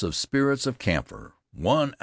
of spirits of camphor, 1 oz.